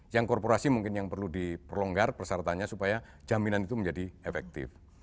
yang korporasi mungkin yang perlu diperlonggar persyaratannya supaya jaminan itu menjadi efektif